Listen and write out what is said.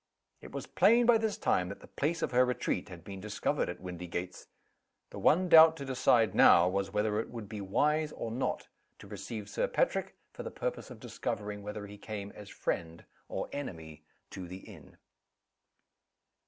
It was plain by this time that the place of her retreat had been discovered at Windygates. The one doubt to decide, now, was whether it would be wise or not to receive Sir Patrick, for the purpose of discovering whether he came as friend or enemy to the inn.